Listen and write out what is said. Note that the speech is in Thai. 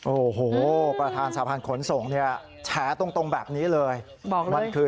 โอ้โหประธานสะพานขนสงศ์เนี่ยแฉตรงตรงแบบนี้เลยบอกเลยมันคือ